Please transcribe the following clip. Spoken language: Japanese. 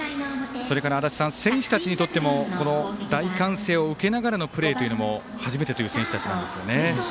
選手たちにとっても大歓声を受けながらのプレーというのも初めての選手たちなんですよね。